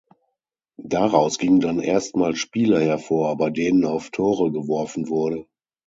Daraus gingen dann erstmals Spiele hervor, bei denen auf Tore geworfen wurde.